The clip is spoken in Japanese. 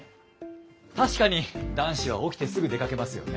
確かに男子は起きてすぐ出かけますよね。